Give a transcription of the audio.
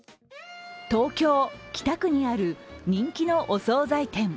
東京・北区にある人気のお総菜店。